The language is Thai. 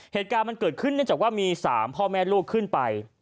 เหตุการณ์มันเกิดขึ้นเนื่องจากว่ามี๓พ่อแม่ลูกขึ้นไป